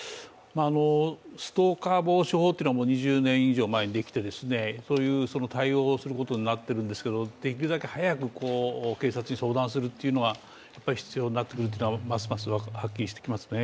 ストーカー防止法っていうのは２０年以上前にできてそういう対応をすることになっているんですが、できるだけ早く警察に相談するというのが必要なことがますますはっきりしてきますね。